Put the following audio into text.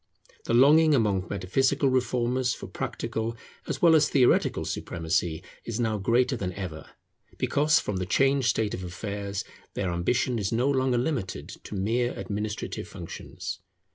The longing among metaphysical reformers for practical as well as theoretical supremacy is now greater than ever; because, from the changed state of affairs, their ambition is no longer limited to mere administrative functions.